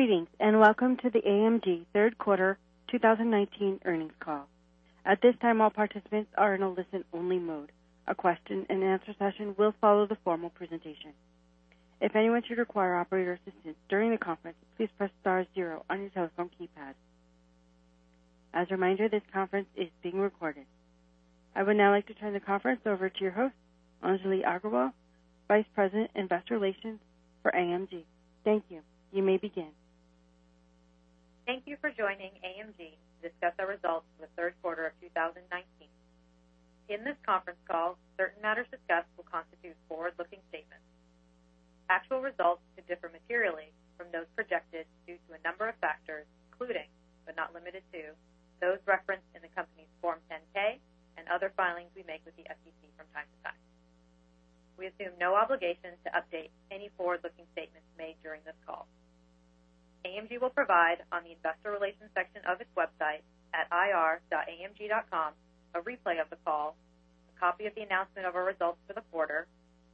Greetings, and welcome to the AMG third quarter 2019 earnings call. At this time, all participants are in a listen-only mode. A question and answer session will follow the formal presentation. If anyone should require operator assistance during the conference, please press star zero on your telephone keypad. As a reminder, this conference is being recorded. I would now like to turn the conference over to your host, Anjali Aggarwal, Vice President, Investor Relations for AMG. Thank you. You may begin. Thank you for joining AMG to discuss our results for the third quarter of 2019. In this conference call, certain matters discussed will constitute forward-looking statements. Actual results could differ materially from those projected due to a number of factors, including, but not limited to, those referenced in the company's Form 10-K and other filings we make with the SEC from time to time. We assume no obligation to update any forward-looking statements made during this call. AMG will provide, on the investor relations section of its website at ir.amg.com, a replay of the call, a copy of the announcement of our results for the quarter,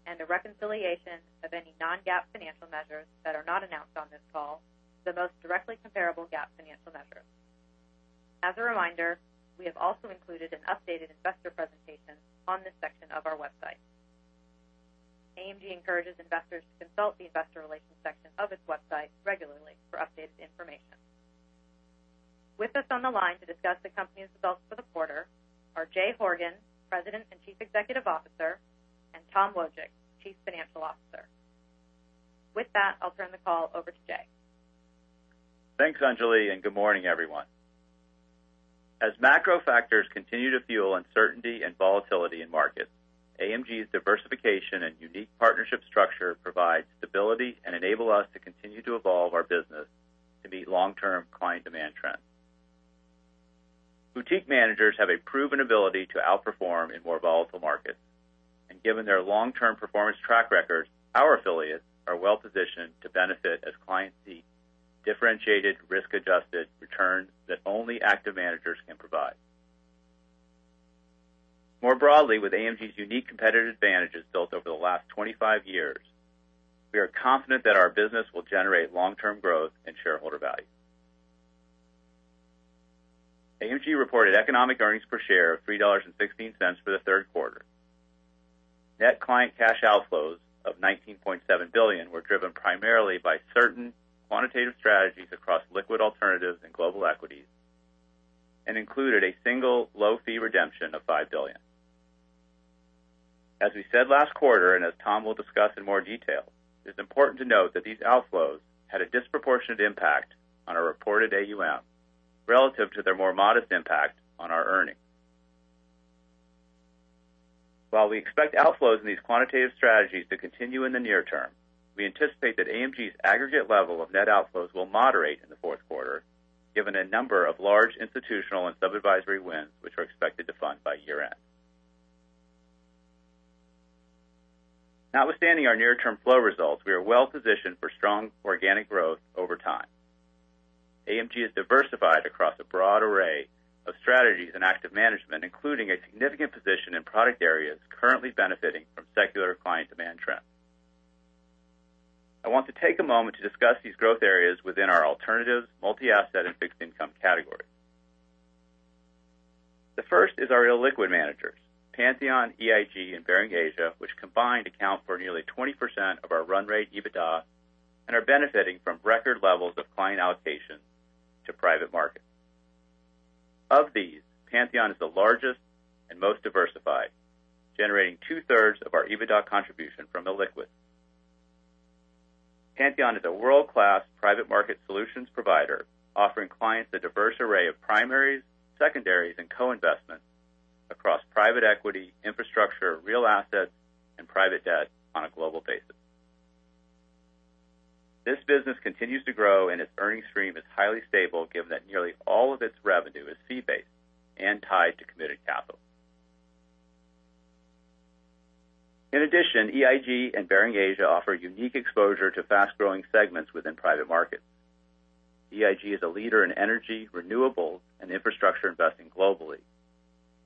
and a reconciliation of any non-GAAP financial measures that are not announced on this call to the most directly comparable GAAP financial measures. As a reminder, we have also included an updated investor presentation on this section of our website. AMG encourages investors to consult the investor relations section of its website regularly for updated information. With us on the line to discuss the company's results for the quarter are Jay Horgen, President and Chief Executive Officer, and Tom Wojcik, Chief Financial Officer. With that, I'll turn the call over to Jay. Thanks, Anjali, good morning, everyone. As macro factors continue to fuel uncertainty and volatility in markets, AMG's diversification and unique partnership structure provide stability and enable us to continue to evolve our business to meet long-term client demand trends. Boutique managers have a proven ability to outperform in more volatile markets. Given their long-term performance track records, our affiliates are well positioned to benefit as clients seek differentiated risk-adjusted returns that only active managers can provide. More broadly, with AMG's unique competitive advantages built over the last 25 years, we are confident that our business will generate long-term growth and shareholder value. AMG reported economic earnings per share of $3.16 for the third quarter. Net client cash outflows of $19.7 billion were driven primarily by certain quantitative strategies across liquid alternatives and global equities, and included a single low-fee redemption of $5 billion. As we said last quarter, and as Tom will discuss in more detail, it is important to note that these outflows had a disproportionate impact on our reported AUM relative to their more modest impact on our earnings. While we expect outflows in these quantitative strategies to continue in the near term, we anticipate that AMG's aggregate level of net outflows will moderate in the fourth quarter, given a number of large institutional and sub-advisory wins which are expected to fund by year-end. Notwithstanding our near-term flow results, we are well positioned for strong organic growth over time. AMG is diversified across a broad array of strategies and active management, including a significant position in product areas currently benefiting from secular client demand trends. I want to take a moment to discuss these growth areas within our alternatives, multi-asset, and fixed income categories. The first is our illiquid managers, Pantheon, EIG, and Baring Asia, which combined account for nearly 20% of our run rate EBITDA and are benefiting from record levels of client allocation to private markets. Of these, Pantheon is the largest and most diversified, generating two-thirds of our EBITDA contribution from illiquid. Pantheon is a world-class private market solutions provider offering clients a diverse array of primaries, secondaries, and co-investments across private equity, infrastructure, real assets, and private debt on a global basis. This business continues to grow, and its earnings stream is highly stable given that nearly all of its revenue is fee-based and tied to committed capital. In addition, EIG and Baring Asia offer unique exposure to fast-growing segments within private markets. EIG is a leader in energy, renewable, and infrastructure investing globally,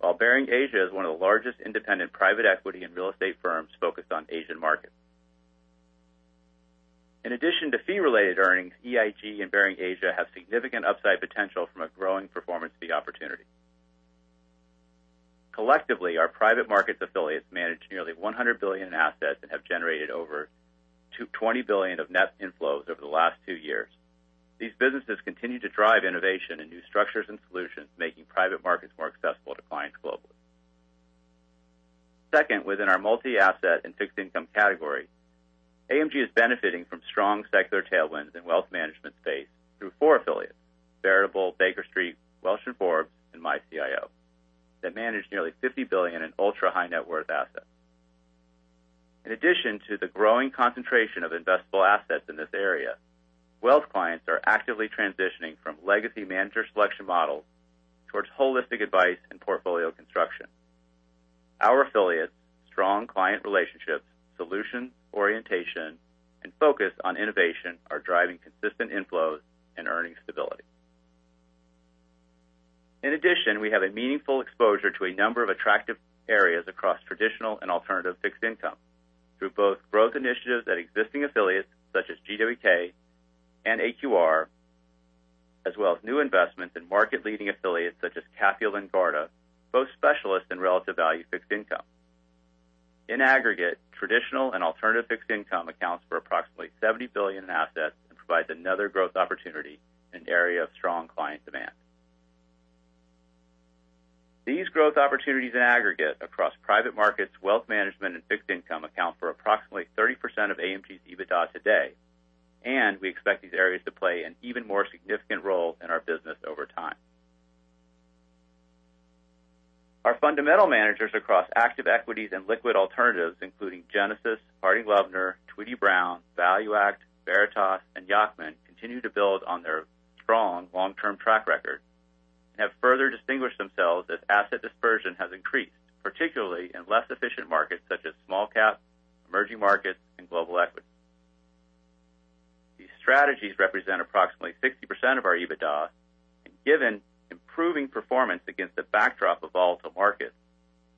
while Baring Asia is one of the largest independent private equity and real estate firms focused on Asian markets. In addition to fee-related earnings, EIG and Baring Asia have significant upside potential from a growing performance fee opportunity. Collectively, our private markets affiliates manage nearly $100 billion in assets and have generated over $20 billion of net inflows over the last two years. These businesses continue to drive innovation in new structures and solutions, making private markets more accessible to clients globally. Second, within our multi-asset and fixed income category, AMG is benefiting from strong secular tailwinds in wealth management space through four affiliates, Veritable, Baker Street, Welch & Forbes, and myCIO, that manage nearly $50 billion in ultra-high net worth assets. In addition to the growing concentration of investable assets in this area, wealth clients are actively transitioning from legacy manager selection models towards holistic advice and portfolio construction. Our affiliates' strong client relationships, solution orientation, and focus on innovation are driving consistent inflows and earnings stability. In addition, we have a meaningful exposure to a number of attractive areas across traditional and alternative fixed income through both growth initiatives at existing affiliates such as GW&K and AQR, as well as new investments in market-leading affiliates such as Capula and Garda, both specialists in relative value fixed income. In aggregate, traditional and alternative fixed income accounts for approximately $70 billion in assets and provides another growth opportunity in an area of strong client demand. These growth opportunities in aggregate across private markets, wealth management, and fixed income account for approximately 30% of AMG's EBITDA today, and we expect these areas to play an even more significant role in our business over time. Our fundamental managers across active equities and liquid alternatives, including Genesis, Montrusco Bolton, Tweedy, Browne, ValueAct, Veritas, and Yacktman, continue to build on their strong long-term track record and have further distinguished themselves as asset dispersion has increased, particularly in less efficient markets such as small cap, emerging markets, and global equity. These strategies represent approximately 60% of our EBITDA, and given improving performance against a backdrop of volatile markets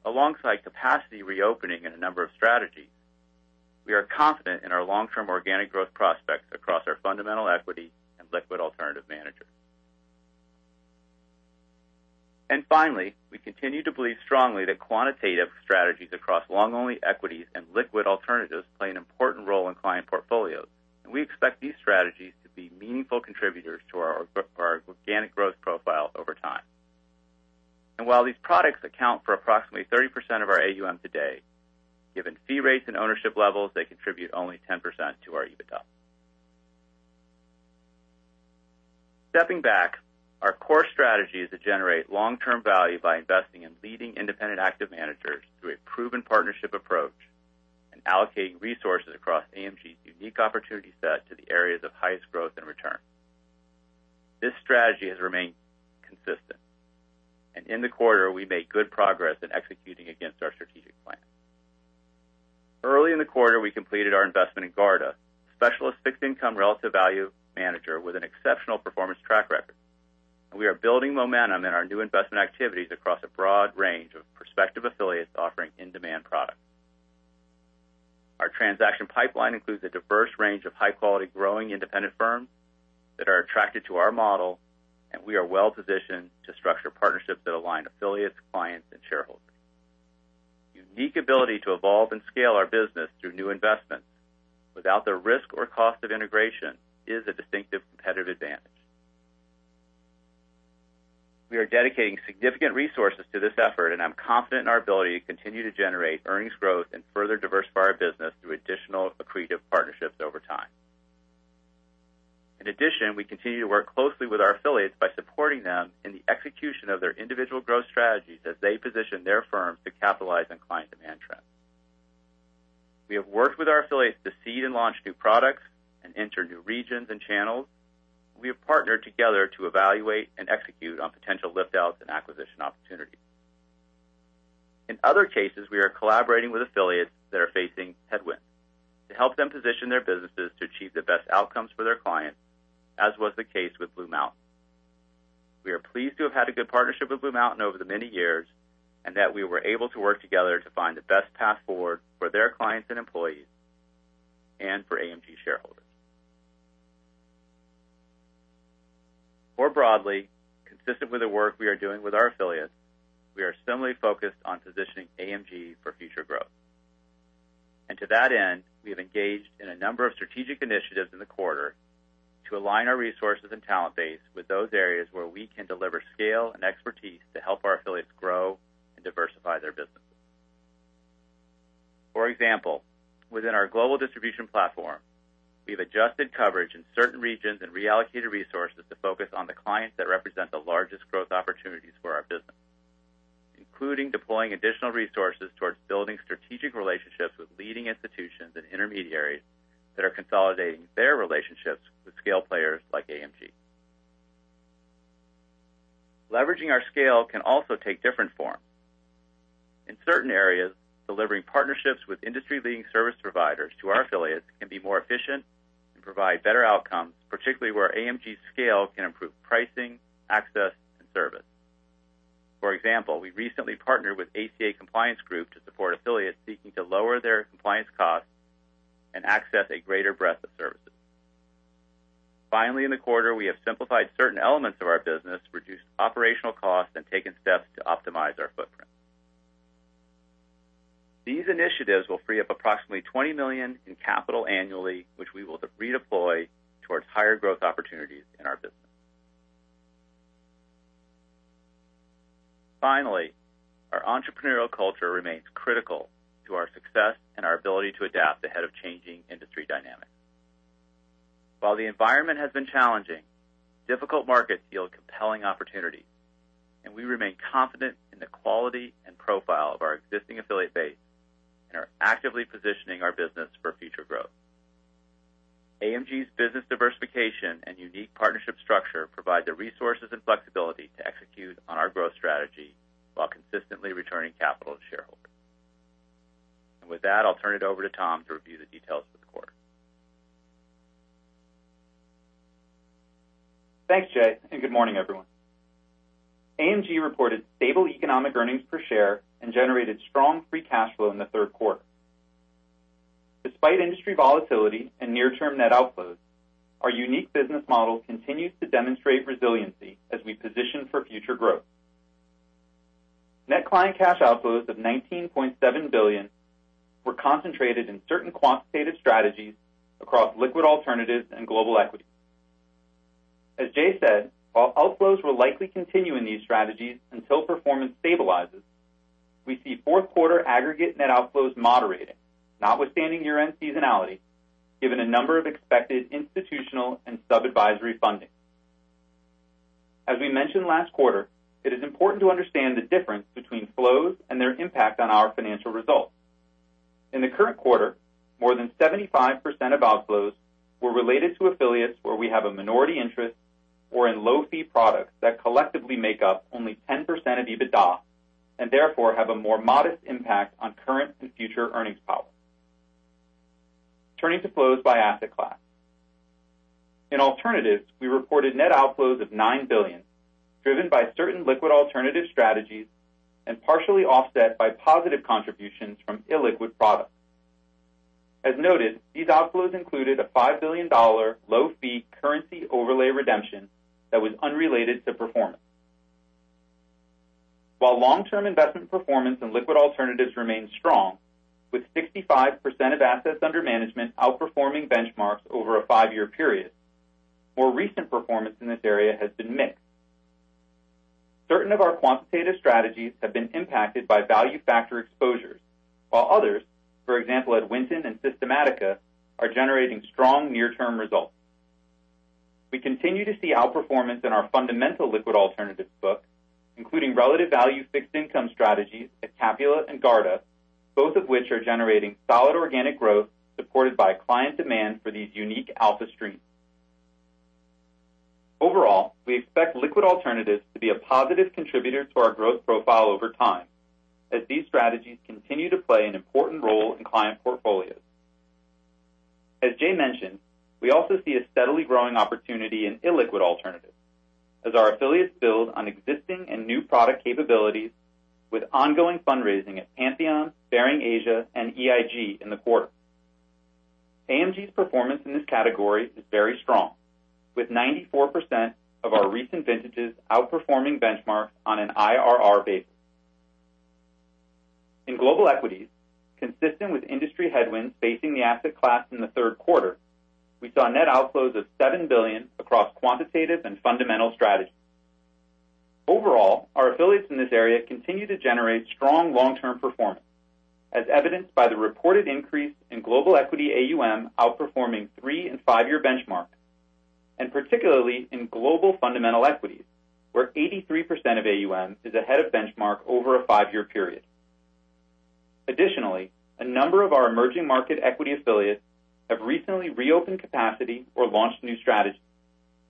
alongside capacity reopening in a number of strategies, we are confident in our long-term organic growth prospects across our fundamental equity and liquid alternative managers. Finally, we continue to believe strongly that quantitative strategies across long-only equities and liquid alternatives play an important role in client portfolios, and we expect these strategies to be meaningful contributors to our organic growth profile over time. While these products account for approximately 30% of our AUM today, given fee rates and ownership levels, they contribute only 10% to our EBITDA. Stepping back, our core strategy is to generate long-term value by investing in leading independent active managers through a proven partnership approach and allocating resources across AMG's unique opportunity set to the areas of highest growth and return. This strategy has remained consistent. In the quarter, we made good progress in executing against our strategic plan. Early in the quarter, we completed our investment in Garda, a specialist fixed income relative value manager with an exceptional performance track record. We are building momentum in our new investment activities across a broad range of prospective affiliates offering in-demand products. Our transaction pipeline includes a diverse range of high-quality, growing independent firms that are attracted to our model, and we are well-positioned to structure partnerships that align affiliates, clients, and shareholders. Unique ability to evolve and scale our business through new investments without the risk or cost of integration is a distinctive competitive advantage. We are dedicating significant resources to this effort, and I'm confident in our ability to continue to generate earnings growth and further diversify our business through additional accretive partnerships over time. In addition, we continue to work closely with our affiliates by supporting them in the execution of their individual growth strategies as they position their firms to capitalize on client demand trends. We have worked with our affiliates to seed and launch new products and enter new regions and channels. We have partnered together to evaluate and execute on potential lift outs and acquisition opportunities. In other cases, we are collaborating with affiliates that are facing headwinds to help them position their businesses to achieve the best outcomes for their clients, as was the case with BlueMountain. We are pleased to have had a good partnership with BlueMountain over the many years and that we were able to work together to find the best path forward for their clients and employees and for AMG shareholders. More broadly, consistent with the work we are doing with our affiliates, we are similarly focused on positioning AMG for future growth. To that end, we have engaged in a number of strategic initiatives in the quarter to align our resources and talent base with those areas where we can deliver scale and expertise to help our affiliates grow and diversify their businesses. For example, within our global distribution platform, we've adjusted coverage in certain regions and reallocated resources to focus on the clients that represent the largest growth opportunities for our business, including deploying additional resources towards building strategic relationships with leading institutions and intermediaries that are consolidating their relationships with scale players like AMG. Leveraging our scale can also take different forms. In certain areas, delivering partnerships with industry-leading service providers to our affiliates can be more efficient and provide better outcomes, particularly where AMG's scale can improve pricing, access, and service. For example, we recently partnered with ACA Compliance Group to support affiliates seeking to lower their compliance costs and access a greater breadth of services. Finally, in the quarter, we have simplified certain elements of our business to reduce operational costs and taken steps to optimize our footprint. These initiatives will free up approximately $20 million in capital annually, which we will redeploy towards higher growth opportunities in our business. Finally, our entrepreneurial culture remains critical to our success and our ability to adapt ahead of changing industry dynamics. While the environment has been challenging, difficult markets yield compelling opportunities, and we remain confident in the quality and profile of our existing affiliate base and are actively positioning our business for future growth. AMG's business diversification and unique partnership structure provide the resources and flexibility to execute on our growth strategy while consistently returning capital to shareholders. With that, I'll turn it over to Tom to review the details of the quarter. Thanks, Jay. Good morning, everyone. AMG reported stable economic earnings per share and generated strong free cash flow in the third quarter. Despite industry volatility and near-term net outflows, our unique business model continues to demonstrate resiliency as we position for future growth. Net client cash outflows of $19.7 billion were concentrated in certain quantitative strategies across liquid alternatives and global equities. As Jay said, while outflows will likely continue in these strategies until performance stabilizes, we see fourth quarter aggregate net outflows moderating, notwithstanding year-end seasonality, given a number of expected institutional and sub-advisory funding. As we mentioned last quarter, it is important to understand the difference between flows and their impact on our financial results. In the current quarter, more than 75% of outflows were related to affiliates where we have a minority interest or in low fee products that collectively make up only 10% of EBITDA, and therefore have a more modest impact on current and future earnings power. Turning to flows by asset class. In alternatives, we reported net outflows of 9 billion, driven by certain liquid alternative strategies and partially offset by positive contributions from illiquid products. As noted, these outflows included a $5 billion low-fee currency overlay redemption that was unrelated to performance. While long-term investment performance and liquid alternatives remain strong, with 65% of assets under management outperforming benchmarks over a five-year period, more recent performance in this area has been mixed. Certain of our quantitative strategies have been impacted by value factor exposures, while others, for example, at Winton and Systematica, are generating strong near-term results. We continue to see outperformance in our fundamental liquid alternatives book, including relative value fixed income strategies at Capula and Garda, both of which are generating solid organic growth supported by client demand for these unique alpha streams. We expect liquid alternatives to be a positive contributor to our growth profile over time, as these strategies continue to play an important role in client portfolios. As Jay mentioned, we also see a steadily growing opportunity in illiquid alternatives as our affiliates build on existing and new product capabilities with ongoing fundraising at Pantheon, Baring Asia, and EIG in the quarter. AMG's performance in this category is very strong, with 94% of our recent vintages outperforming benchmarks on an IRR basis. In global equities, consistent with industry headwinds facing the asset class in the third quarter, we saw net outflows of $7 billion across quantitative and fundamental strategies. Overall, our affiliates in this area continue to generate strong long-term performance, as evidenced by the reported increase in global equity AUM outperforming three and five-year benchmarks, and particularly in global fundamental equities, where 83% of AUM is ahead of benchmark over a five-year period. Additionally, a number of our emerging market equity affiliates have recently reopened capacity or launched new strategies,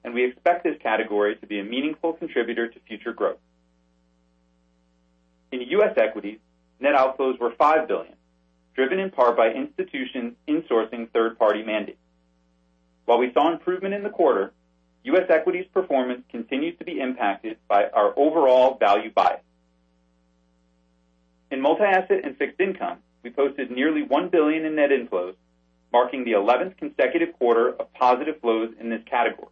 and we expect this category to be a meaningful contributor to future growth. In U.S. equities, net outflows were $5 billion, driven in part by institutions insourcing third-party mandates. While we saw improvement in the quarter, U.S. equities performance continues to be impacted by our overall value bias. In multi-asset and fixed income, we posted nearly $1 billion in net inflows, marking the 11th consecutive quarter of positive flows in this category.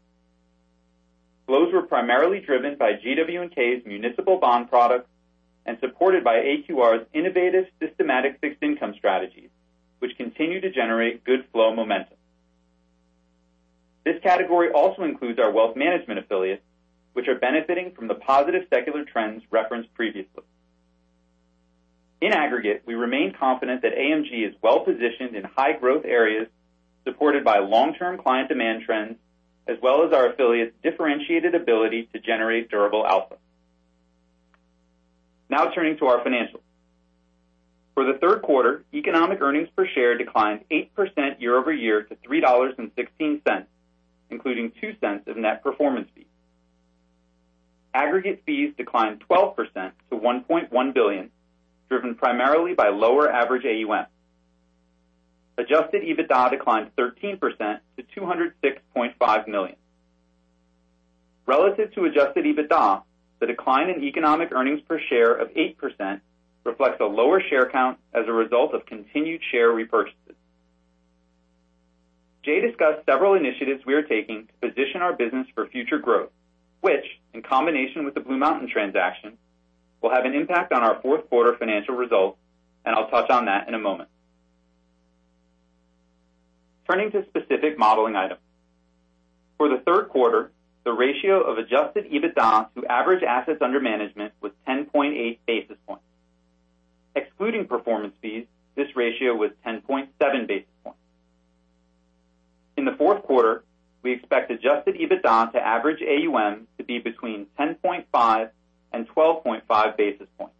Flows were primarily driven by GW&K's municipal bond products and supported by AQR's innovative systematic fixed income strategies, which continue to generate good flow momentum. This category also includes our wealth management affiliates, which are benefiting from the positive secular trends referenced previously. In aggregate, we remain confident that AMG is well-positioned in high growth areas supported by long-term client demand trends, as well as our affiliates' differentiated ability to generate durable alpha. Turning to our financials. For the third quarter, economic earnings per share declined 8% year-over-year to $3.16, including $0.02 of net performance fees. Aggregate fees declined 12% to $1.1 billion, driven primarily by lower average AUM. Adjusted EBITDA declined 13% to $206.5 million. Relative to adjusted EBITDA, the decline in economic earnings per share of 8% reflects a lower share count as a result of continued share repurchases. Jay discussed several initiatives we are taking to position our business for future growth, which, in combination with the BlueMountain transaction, will have an impact on our fourth quarter financial results, and I'll touch on that in a moment. Turning to specific modeling items. For the third quarter, the ratio of adjusted EBITDA to average assets under management was 10.8 basis points. Excluding performance fees, this ratio was 10.7 basis points. In the fourth quarter, we expect adjusted EBITDA to average AUM to be between 10.5 and 12.5 basis points.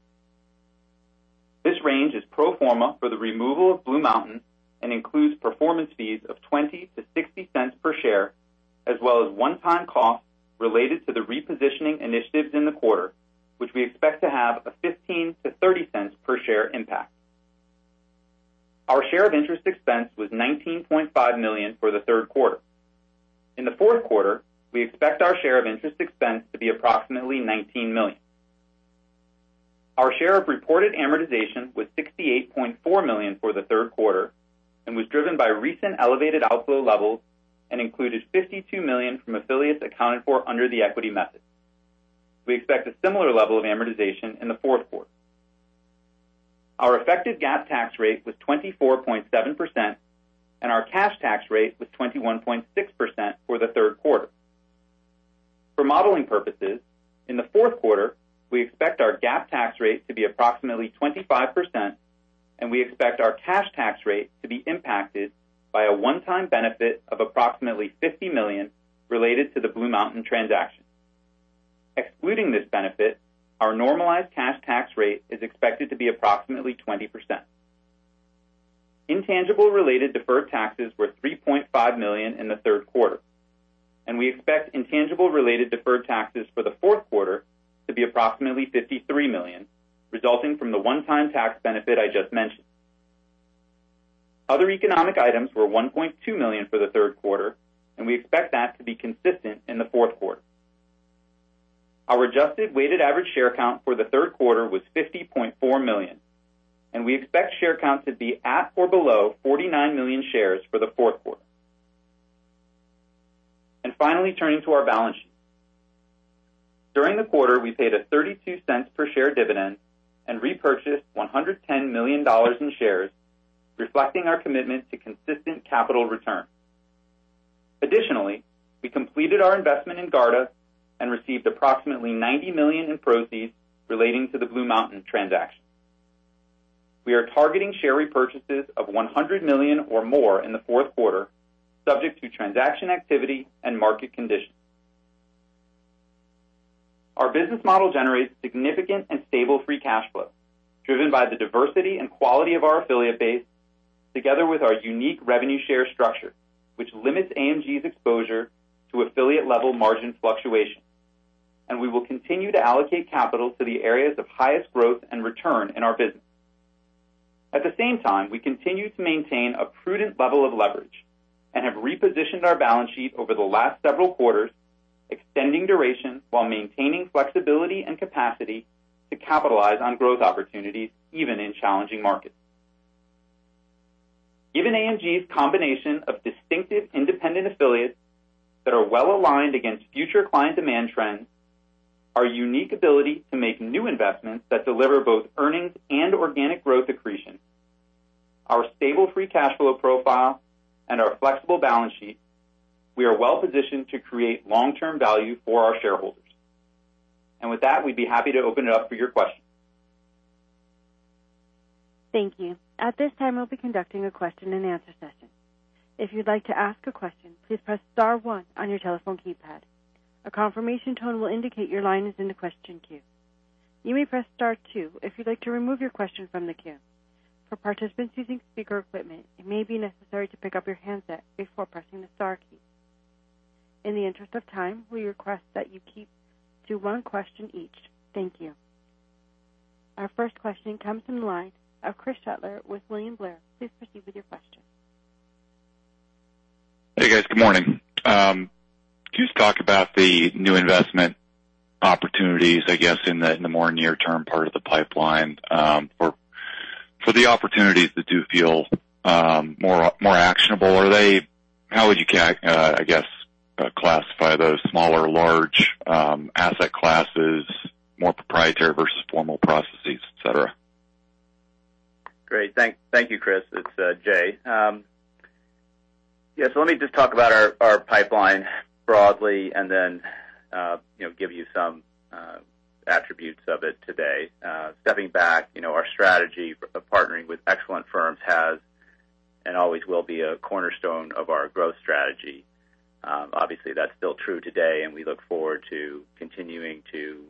This range is pro forma for the removal of BlueMountain and includes performance fees of $0.20-$0.60 per share, as well as one-time costs related to the repositioning initiatives in the quarter, which we expect to have a $0.15-$0.30 per share impact. Our share of interest expense was $19.5 million for the third quarter. In the fourth quarter, we expect our share of interest expense to be approximately $19 million. Our share of reported amortization was $68.4 million for the third quarter and was driven by recent elevated outflow levels and included $52 million from affiliates accounted for under the equity method. We expect a similar level of amortization in the fourth quarter. Our effective GAAP tax rate was 24.7%, and our cash tax rate was 21.6% for the third quarter. For modeling purposes, in the fourth quarter, we expect our GAAP tax rate to be approximately 25%, and we expect our cash tax rate to be impacted by a one-time benefit of approximately $50 million related to the BlueMountain transaction. Excluding this benefit, our normalized cash tax rate is expected to be approximately 20%. Intangible-related deferred taxes were $3.5 million in the third quarter. We expect intangible-related deferred taxes for the fourth quarter to be approximately $53 million, resulting from the one-time tax benefit I just mentioned. Other economic items were $1.2 million for the third quarter. We expect that to be consistent in the fourth quarter. Our adjusted weighted average share count for the third quarter was 50.4 million. We expect share count to be at or below 49 million shares for the fourth quarter. Finally, turning to our balance sheet. During the quarter, we paid a $0.32 per share dividend and repurchased $110 million in shares, reflecting our commitment to consistent capital returns. Additionally, we completed our investment in Garda and received approximately $90 million in proceeds relating to the BlueMountain transaction. We are targeting share repurchases of $100 million or more in the fourth quarter, subject to transaction activity and market conditions. Our business model generates significant and stable free cash flow, driven by the diversity and quality of our affiliate base, together with our unique revenue share structure, which limits AMG's exposure to affiliate level margin fluctuation. We will continue to allocate capital to the areas of highest growth and return in our business. At the same time, we continue to maintain a prudent level of leverage and have repositioned our balance sheet over the last several quarters, extending duration while maintaining flexibility and capacity to capitalize on growth opportunities even in challenging markets. Given AMG's combination of distinctive independent affiliates that are well-aligned against future client demand trends, our unique ability to make new investments that deliver both earnings and organic growth accretion, our stable free cash flow profile, and our flexible balance sheet, we are well-positioned to create long-term value for our shareholders. With that, we'd be happy to open it up for your questions. Thank you. At this time, we'll be conducting a question and answer session. If you'd like to ask a question, please press star one on your telephone keypad. A confirmation tone will indicate your line is in the question queue. You may press star two if you'd like to remove your question from the queue. For participants using speaker equipment, it may be necessary to pick up your handset before pressing the star key. In the interest of time, we request that you keep to one question each. Thank you. Our first question comes from the line of Chris Shutler with William Blair. Please proceed with your question. Hey, guys. Good morning. Can you just talk about the new investment opportunities, I guess, in the more near-term part of the pipeline? For the opportunities that do feel more actionable, how would you, I guess, classify those smaller, large asset classes, more proprietary versus formal processes, et cetera? Great. Thank you, Chris. It's Jay. Yeah. Let me just talk about our pipeline broadly and then give you some attributes of it today. Stepping back, our strategy of partnering with excellent firms has and always will be a cornerstone of our growth strategy. Obviously, that's still true today, and we look forward to continuing to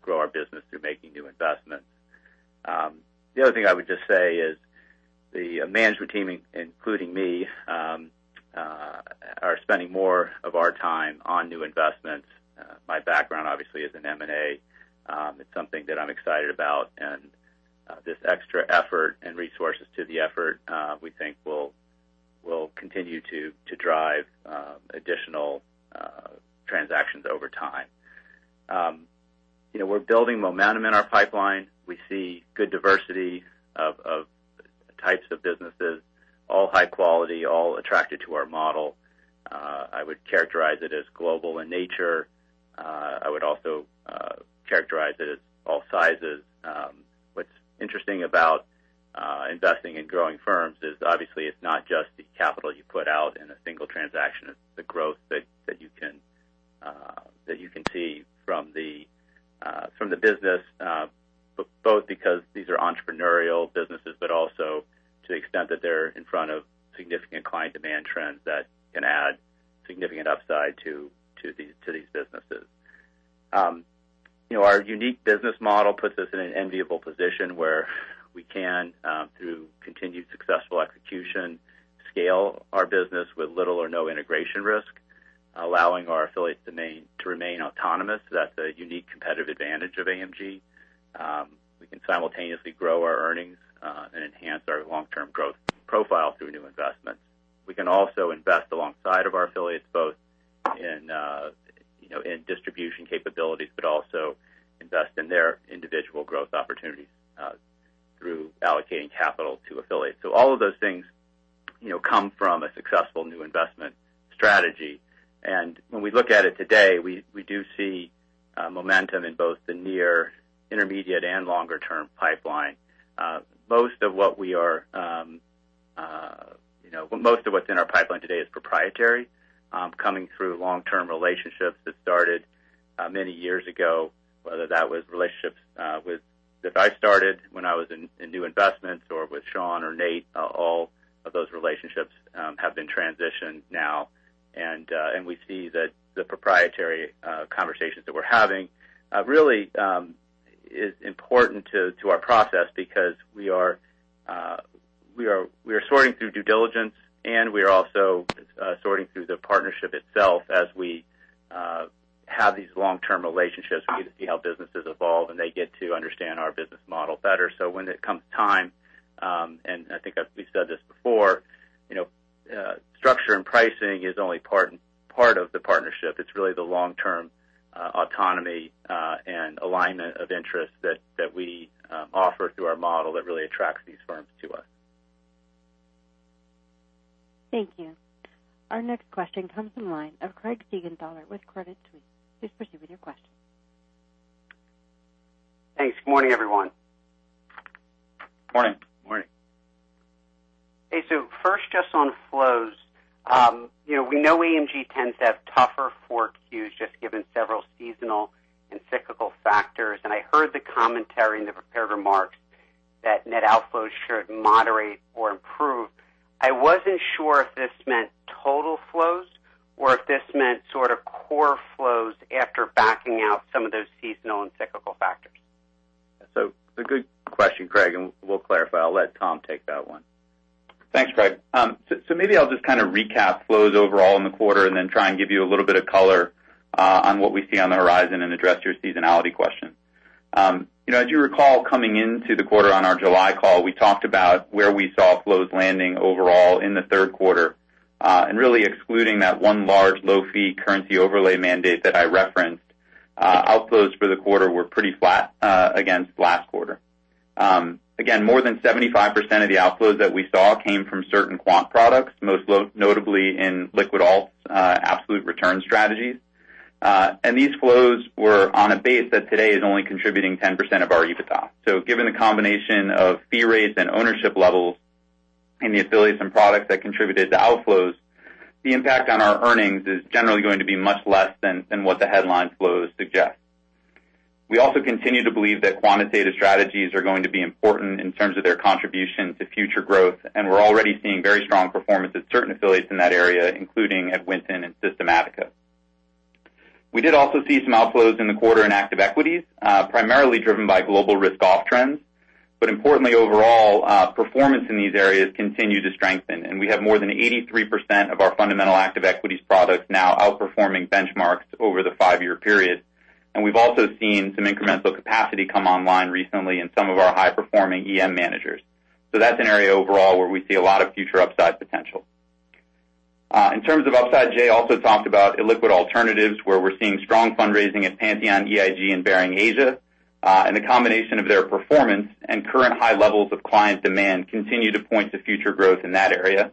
grow our business through making new investments. The other thing I would just say is the management team, including me, are spending more of our time on new investments. My background, obviously, is in M&A. It's something that I'm excited about, and this extra effort and resources to the effort we think will continue to drive additional transactions over time. We're building momentum in our pipeline. We see good diversity of types of businesses, all high quality, all attracted to our model. I would characterize it as global in nature. I would also characterize it as all sizes. What's interesting about investing in growing firms is obviously it's not just the capital you put out in a single transaction. It's the growth that you can see from the business both because these are entrepreneurial businesses but also to the extent that they're in front of significant client demand trends that can add significant upside to these businesses. Our unique business model puts us in an enviable position where we can, through continued successful execution, scale our business with little or no integration risk. Allowing our affiliates to remain autonomous. That's a unique competitive advantage of AMG. We can simultaneously grow our earnings, and enhance our long-term growth profile through new investments. We can also invest alongside our affiliates, both in distribution capabilities, but also invest in their individual growth opportunities through allocating capital to affiliates. All of those things come from a successful new investment strategy. When we look at it today, we do see momentum in both the near, intermediate, and longer-term pipeline. Most of what's in our pipeline today is proprietary, coming through long-term relationships that started many years ago, whether that was relationships that I started when I was in New Investments or with Sean or Nate. All of those relationships have been transitioned now. We see that the proprietary conversations that we're having really is important to our process because we are sorting through due diligence, and we are also sorting through the partnership itself as we have these long-term relationships. We get to see how businesses evolve, and they get to understand our business model better. When it comes time, and I think we've said this before structure and pricing is only part of the partnership. It's really the long-term autonomy and alignment of interests that we offer through our model that really attracts these firms to us. Thank you. Our next question comes in line of Craig Siegenthaler with Credit Suisse. Please proceed with your question. Thanks. Good morning, everyone. Morning. Morning. Okay. First, just on flows. We know AMG tends to have tougher fourth quarters, just given several seasonal and cyclical factors. I heard the commentary in the prepared remarks that net outflows should moderate or improve. I wasn't sure if this meant total flows or if this meant sort of core flows after backing out some of those seasonal and cyclical factors. It's a good question, Craig, and we'll clarify. I'll let Tom take that one. Thanks, Craig. Maybe I'll just kind of recap flows overall in the quarter and then try and give you a little bit of color on what we see on the horizon and address your seasonality question. As you recall, coming into the quarter on our July call, we talked about where we saw flows landing overall in the third quarter. Really excluding that one large low-fee currency overlay mandate that I referenced, outflows for the quarter were pretty flat against last quarter. More than 75% of the outflows that we saw came from certain quant products, most notably in liquid alt absolute return strategies. These flows were on a base that today is only contributing 10% of our EBITDA. Given the combination of fee rates and ownership levels in the affiliates and products that contributed to outflows, the impact on our earnings is generally going to be much less than what the headline flows suggest. We also continue to believe that quantitative strategies are going to be important in terms of their contribution to future growth, and we're already seeing very strong performance at certain affiliates in that area, including at Winton and Systematica. We did also see some outflows in the quarter in active equities, primarily driven by global risk-off trends. Importantly, overall performance in these areas continue to strengthen, and we have more than 83% of our fundamental active equities products now outperforming benchmarks over the five-year period. We've also seen some incremental capacity come online recently in some of our high-performing EM managers. That's an area overall where we see a lot of future upside potential. In terms of upside, Jay also talked about illiquid alternatives, where we're seeing strong fundraising at Pantheon, EIG, and Baring Asia. The combination of their performance and current high levels of client demand continue to point to future growth in that area.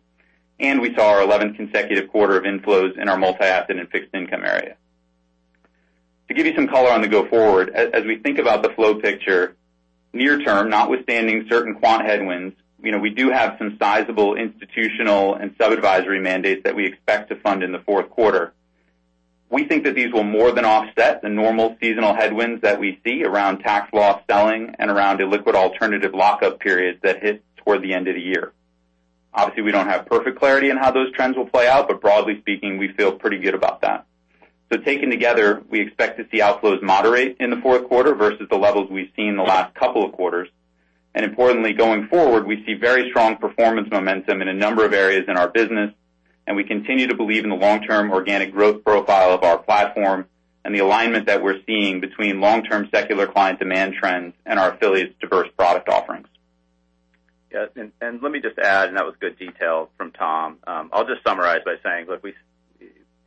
We saw our 11th consecutive quarter of inflows in our multi-asset and fixed income area. To give you some color on the go forward, as we think about the flow picture near term, notwithstanding certain quant headwinds we do have some sizable institutional and sub-advisory mandates that we expect to fund in the fourth quarter. We think that these will more than offset the normal seasonal headwinds that we see around tax-loss selling and around illiquid alternative lockup periods that hit toward the end of the year. Obviously, we don't have perfect clarity on how those trends will play out, but broadly speaking, we feel pretty good about that. Taken together, we expect to see outflows moderate in the fourth quarter versus the levels we've seen in the last couple of quarters. Importantly, going forward, we see very strong performance momentum in a number of areas in our business, and we continue to believe in the long-term organic growth profile of our platform and the alignment that we're seeing between long-term secular client demand trends and our affiliates' diverse product offerings. Yes. Let me just add, that was good detail from Tom. I'll just summarize by saying, look,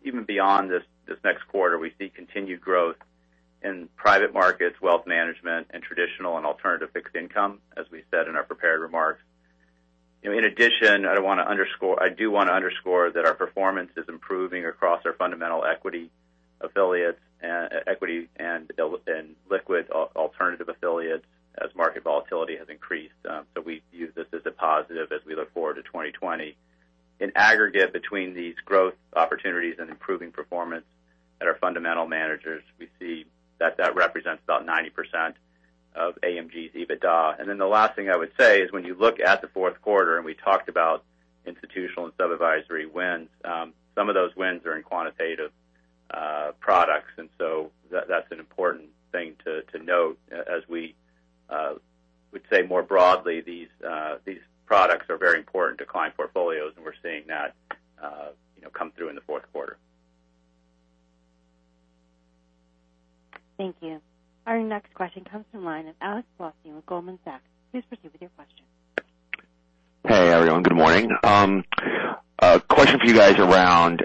even beyond this next quarter, we see continued growth in private markets, wealth management, and traditional and alternative fixed income, as we said in our prepared remarks. In addition, I do want to underscore that our performance is improving across our fundamental equity affiliates and liquid alternative affiliates as market volatility has increased. We view this as a positive as we look forward to 2020. In aggregate, between these growth opportunities and improving performance at our fundamental managers, we see that represents about 90% of AMG's EBITDA. The last thing I would say is when you look at the fourth quarter, we talked about institutional and sub-advisory wins, some of those wins are in quantitative That's an important thing to note as we would say more broadly, these products are very important to client portfolios, and we're seeing that come through in the fourth quarter. Thank you. Our next question comes from the line of Alexander Blostein with Goldman Sachs. Please proceed with your question. Hey, everyone. Good morning. A question for you guys around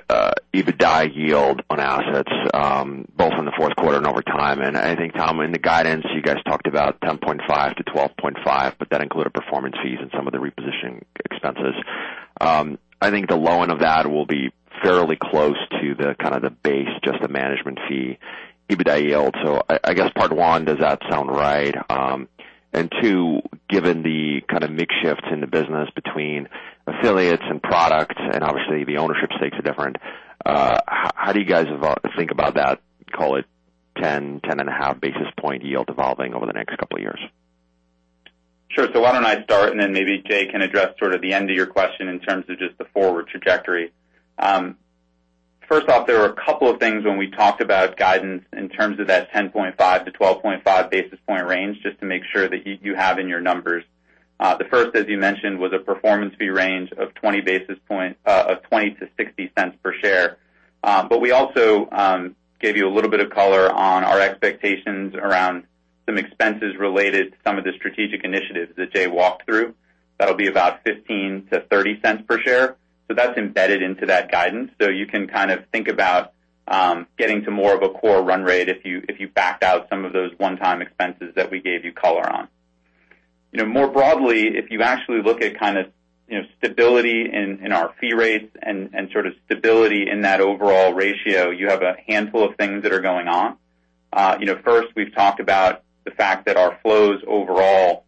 EBITDA yield on assets both in the fourth quarter and over time. I think, Tom, in the guidance you guys talked about 10.5-12.5, but that included performance fees and some of the repositioning expenses. I think the low end of that will be fairly close to the base, just the management fee, EBITDA yield. I guess part one, does that sound right? Two, given the kind of mix shift in the business between affiliates and products, and obviously the ownership stakes are different, how do you guys think about that, call it 10.5 basis point yield evolving over the next couple of years? Sure. Why don't I start and then maybe Jay can address the end of your question in terms of just the forward trajectory. First off, there were a couple of things when we talked about guidance in terms of that 10.5 to 12.5 basis point range, just to make sure that you have in your numbers. The first, as you mentioned, was a performance fee range of $0.20 to $0.60 per share. We also gave you a little bit of color on our expectations around some expenses related to some of the strategic initiatives that Jay walked through. That'll be about $0.15 to $0.30 per share. That's embedded into that guidance. You can think about getting to more of a core run rate if you back out some of those one-time expenses that we gave you color on. More broadly, if you actually look at stability in our fee rates and stability in that overall ratio, you have a handful of things that are going on. First, we've talked about the fact that our flows overall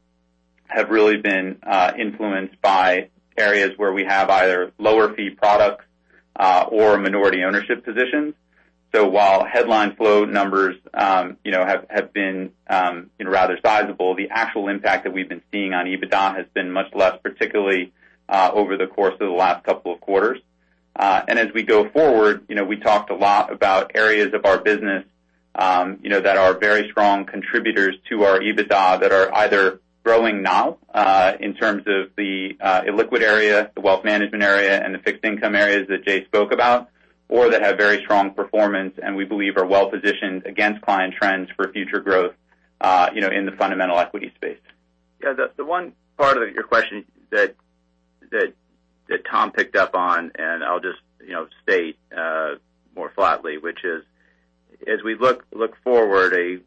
have really been influenced by areas where we have either lower fee products or minority ownership positions. While headline flow numbers have been rather sizable, the actual impact that we've been seeing on EBITDA has been much less, particularly over the course of the last couple of quarters. As we go forward, we talked a lot about areas of our business that are very strong contributors to our EBITDA that are either growing now in terms of the illiquid area, the wealth management area, and the fixed income areas that Jay spoke about, or that have very strong performance and we believe are well-positioned against client trends for future growth in the fundamental equity space. Yeah, the one part of your question that Tom picked up on, I'll just state more flatly, which is as we look forward, a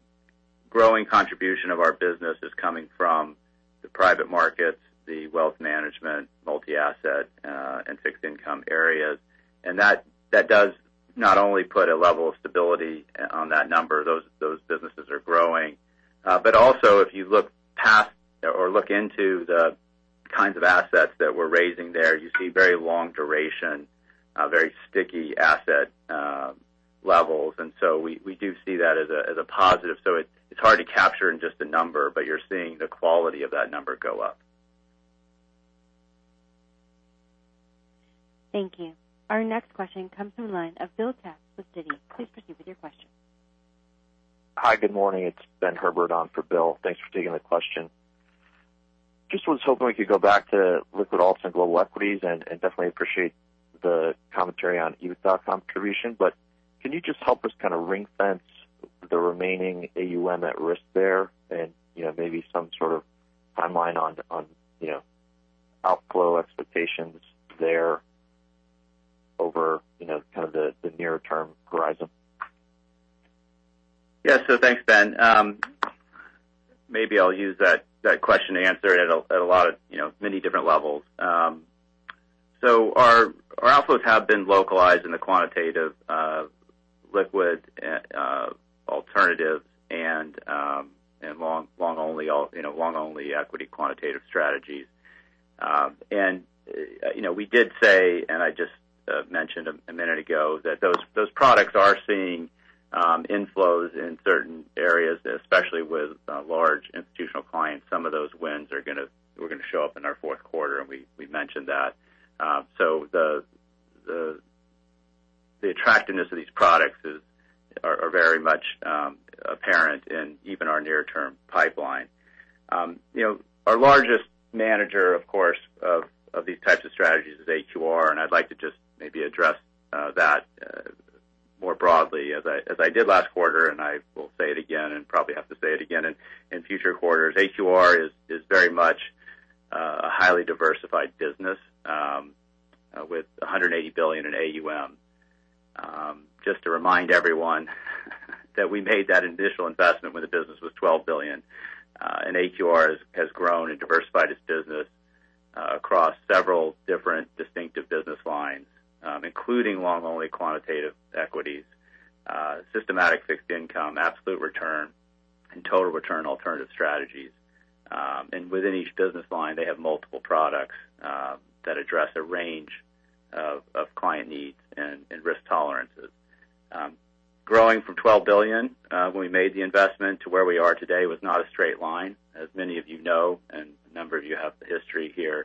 growing contribution of our business is coming from the private markets, the wealth management, multi-asset, and fixed income areas. That does not only put a level of stability on that number, those businesses are growing. Also if you look past or look into the kinds of assets that we're raising there, you see very long duration, very sticky asset levels. We do see that as a positive. It's hard to capture in just a number, but you're seeing the quality of that number go up. Thank you. Our next question comes from the line of Bill Katz with Citi. Please proceed with your question. Hi, good morning. It's Ben Herbert on for Bill. Thanks for taking the question. Just was hoping we could go back to liquid alt and global equities and definitely appreciate the commentary on EBITDA contribution. Can you just help us kind of ring-fence the remaining AUM at risk there and maybe some sort of timeline on outflow expectations there over kind of the near-term horizon? Thanks, Ben. Maybe I'll use that question to answer it at a lot of many different levels. Our outflows have been localized in the quantitative liquid alternative and long only equity quantitative strategies. We did say, and I just mentioned a minute ago, that those products are seeing inflows in certain areas, especially with large institutional clients. Some of those wins are going to show up in our fourth quarter, and we mentioned that. The attractiveness of these products are very much apparent in even our near-term pipeline. Our largest manager, of course, of these types of strategies is AQR, and I'd like to just maybe address that more broadly as I did last quarter, and I will say it again and probably have to say it again in future quarters. AQR is very much a highly diversified business with $180 billion in AUM. Just to remind everyone that we made that initial investment when the business was $12 billion. AQR has grown and diversified its business across several different distinctive business lines including long only quantitative equities, systematic fixed income, absolute return, and total return alternative strategies. Within each business line, they have multiple products that address a range of client needs and risk tolerances. Growing from $12 billion when we made the investment to where we are today was not a straight line, as many of you know. Here.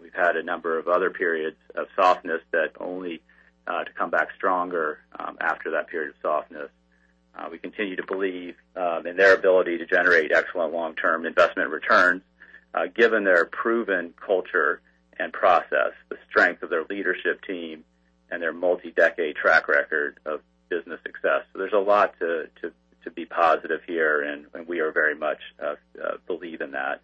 We've had a number of other periods of softness that only to come back stronger after that period of softness. We continue to believe in their ability to generate excellent long-term investment returns, given their proven culture and process, the strength of their leadership team, and their multi-decade track record of business success. There's a lot to be positive here, and we are very much believe in that.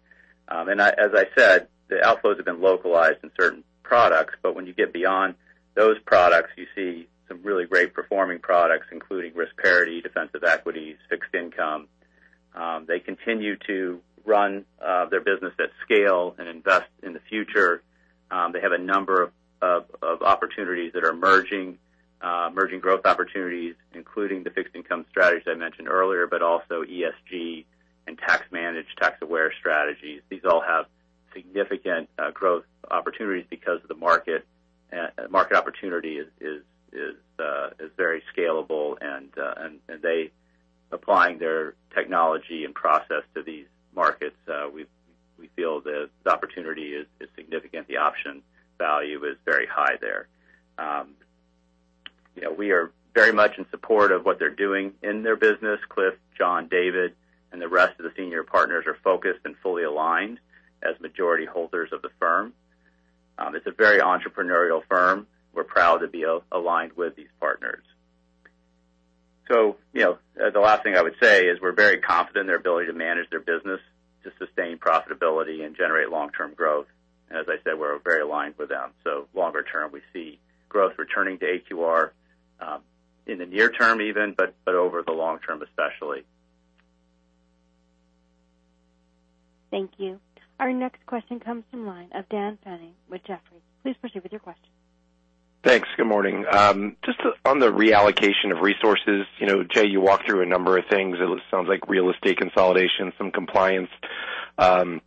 As I said, the outflows have been localized in certain products, but when you get beyond those products, you see some really great performing products, including risk parity, defensive equities, fixed income. They continue to run their business at scale and invest in the future. They have a number of opportunities that are emerging. Emerging growth opportunities, including the fixed income strategies I mentioned earlier, but also ESG and tax-managed, tax-aware strategies. These all have significant growth opportunities because of the market. Market opportunity is very scalable, and they applying their technology and process to these markets. We feel the opportunity is significant. The option value is very high there. We are very much in support of what they're doing in their business. Cliff, John, David, and the rest of the senior partners are focused and fully aligned as majority holders of the firm. It's a very entrepreneurial firm. We're proud to be aligned with these partners. The last thing I would say is we're very confident in their ability to manage their business to sustain profitability and generate long-term growth. As I said, we're very aligned with them. Longer term, we see growth returning to AQR in the near term even, but over the long term, especially. Thank you. Our next question comes from line of Daniel Fannon with Jefferies. Please proceed with your question. Thanks. Good morning. Just on the reallocation of resources. Jay, you walked through a number of things. It sounds like real estate consolidation, some compliance services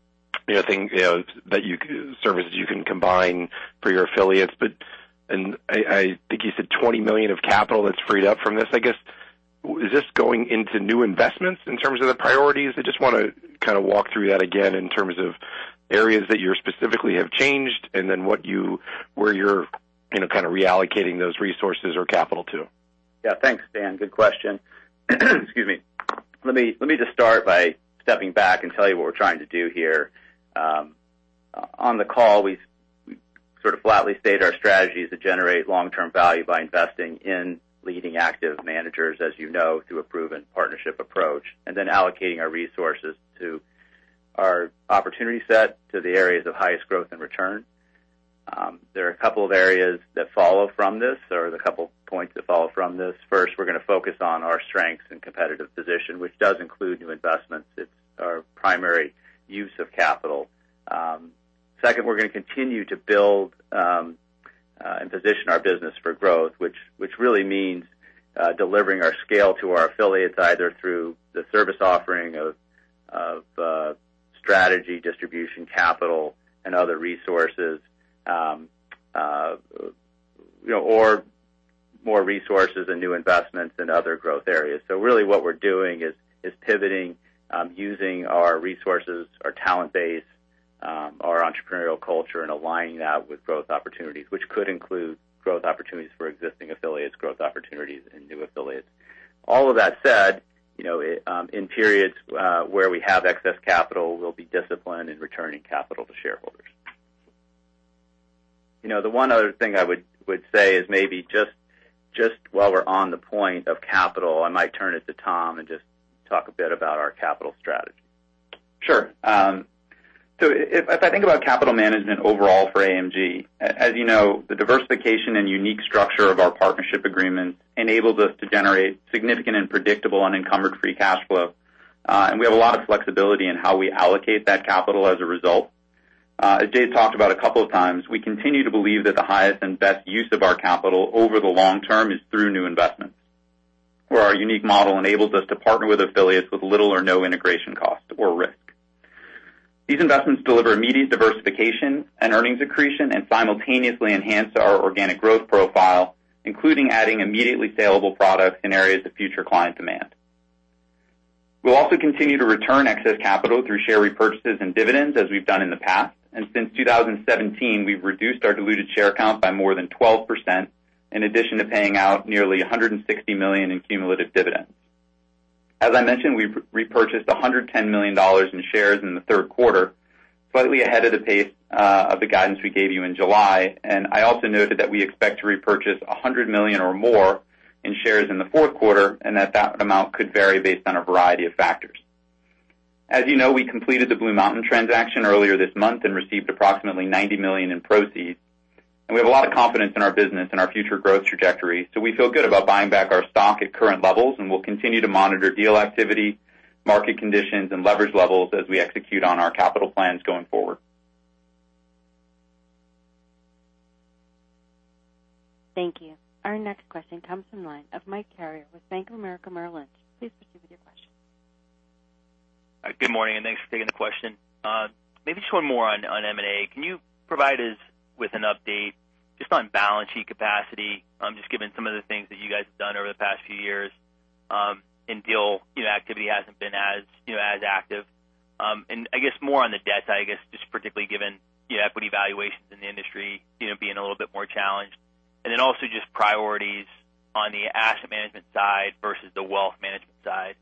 you can combine for your affiliates. I think you said $20 million of capital that's freed up from this. I guess, is this going into new investments in terms of the priorities? I just want to kind of walk through that again in terms of areas that you specifically have changed where you're kind of reallocating those resources or capital to. Thanks, Dan. Good question. Excuse me. Let me just start by stepping back and tell you what we're trying to do here. On the call, we sort of flatly state our strategy is to generate long-term value by investing in leading active managers, as you know, through a proven partnership approach, and then allocating our resources to our opportunity set to the areas of highest growth and return. There are a couple of areas that follow from this, or there's a couple points that follow from this. First, we're going to focus on our strengths and competitive position, which does include new investments. It's our primary use of capital. Second, we're going to continue to build and position our business for growth, which really means delivering our scale to our affiliates, either through the service offering of strategy, distribution, capital, and other resources or more resources and new investments in other growth areas. Really what we're doing is pivoting, using our resources, our talent base, our entrepreneurial culture, and aligning that with growth opportunities, which could include growth opportunities for existing affiliates, growth opportunities in new affiliates. All of that said, in periods where we have excess capital, we'll be disciplined in returning capital to shareholders. The one other thing I would say is maybe just while we're on the point of capital, I might turn it to Tom and just talk a bit about our capital strategy. Sure. As I think about capital management overall for AMG, as you know, the diversification and unique structure of our partnership agreements enables us to generate significant and predictable unencumbered free cash flow. We have a lot of flexibility in how we allocate that capital as a result. As Jay talked about a couple of times, we continue to believe that the highest and best use of our capital over the long term is through new investments, where our unique model enables us to partner with affiliates with little or no integration cost or risk. These investments deliver immediate diversification and earnings accretion and simultaneously enhance our organic growth profile, including adding immediately salable products in areas of future client demand. We will also continue to return excess capital through share repurchases and dividends as we have done in the past. Since 2017, we've reduced our diluted share count by more than 12%, in addition to paying out nearly $160 million in cumulative dividends. As I mentioned, we repurchased $110 million in shares in the third quarter, slightly ahead of the pace of the guidance we gave you in July. I also noted that we expect to repurchase $100 million or more in shares in the fourth quarter, and that amount could vary based on a variety of factors. As you know, we completed the BlueMountain transaction earlier this month and received approximately $90 million in proceeds. We have a lot of confidence in our business and our future growth trajectory. We feel good about buying back our stock at current levels, and we'll continue to monitor deal activity, market conditions, and leverage levels as we execute on our capital plans going forward. Thank you. Our next question comes from line of Michael Carrier with Bank of America Merrill Lynch. Please proceed with your question. Good morning. Thanks for taking the question. Maybe just one more on M&A. Can you provide us with an update just on balance sheet capacity, just given some of the things that you guys have done over the past few years? Deal activity hasn't been as active. I guess more on the debt side, I guess just particularly given the equity valuations in the industry being a little bit more challenged. Then also just priorities on the asset management side versus the wealth management side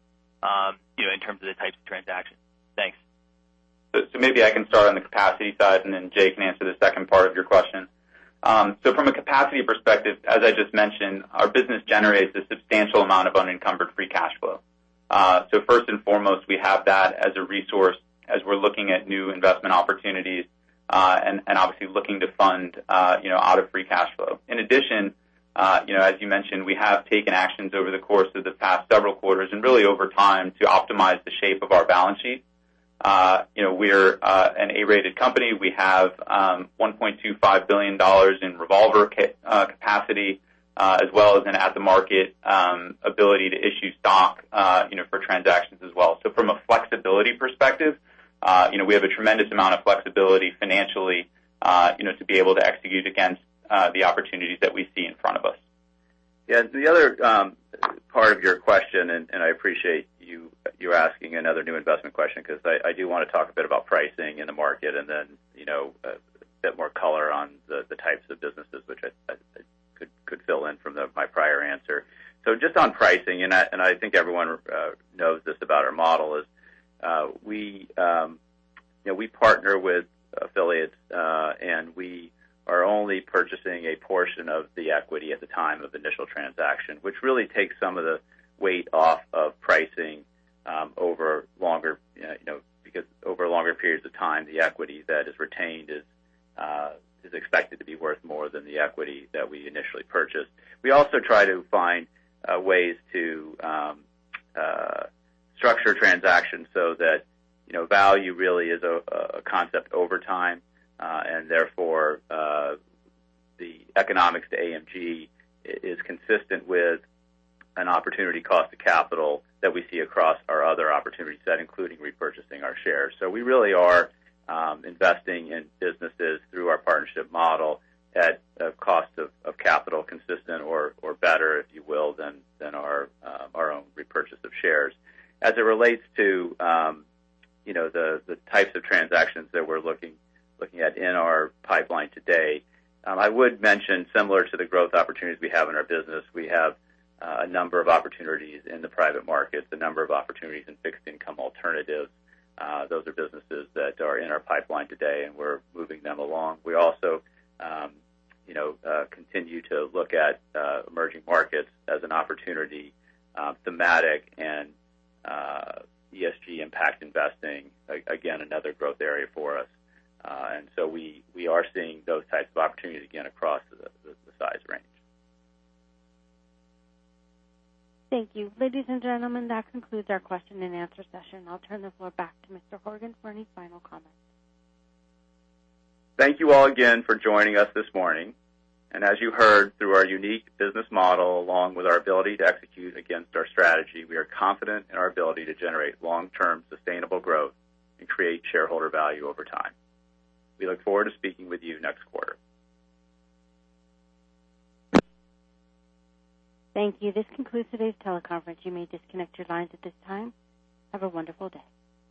in terms of the types of transactions. Thanks. Maybe I can start on the capacity side, and then Jay can answer the second part of your question. From a capacity perspective, as I just mentioned, our business generates a substantial amount of unencumbered free cash flow. First and foremost, we have that as a resource as we're looking at new investment opportunities and obviously looking to fund out of free cash flow. In addition, as you mentioned, we have taken actions over the course of the past several quarters and really over time to optimize the shape of our balance sheet. We're an A-rated company. We have $1.25 billion in revolver capacity as well as an at-the-market ability to issue stock for transactions as well. From a flexibility perspective, we have a tremendous amount of flexibility financially to be able to execute against the opportunities that we see in front of us. Yeah. To the other part of your question, and I appreciate you asking another new investment question because I do want to talk a bit about pricing in the market and then a bit more color on the types of businesses which I could fill in from my prior answer. Just on pricing, and I think everyone knows this about our model, is we partner with affiliates, and we are only purchasing a portion of the equity at the time of initial transaction, which really takes some of the weight off of pricing because over longer periods of time, the equity that is retained is expected to be worth more than the equity that we initially purchased. We also try to find ways to structure transactions so that value really is a concept over time and therefore the economics to AMG is consistent with an opportunity cost of capital that we see across our other opportunity set, including repurchasing our shares. We really are investing in businesses through our partnership model at a cost of capital consistent or better, if you will, than our own repurchase of shares. As it relates to the types of transactions that we're looking at in our pipeline today, I would mention similar to the growth opportunities we have in our business, we have a number of opportunities in the private market, a number of opportunities in fixed income alternatives. Those are businesses that are in our pipeline today, and we're moving them along. We also continue to look at emerging markets as an opportunity, thematic and ESG impact investing, again, another growth area for us. We are seeing those types of opportunities again across the size range. Thank you. Ladies and gentlemen, that concludes our question and answer session. I'll turn the floor back to Mr. Horgen for any final comments. Thank you all again for joining us this morning. As you heard through our unique business model along with our ability to execute against our strategy, we are confident in our ability to generate long-term sustainable growth and create shareholder value over time. We look forward to speaking with you next quarter. Thank you. This concludes today's teleconference. You may disconnect your lines at this time. Have a wonderful day.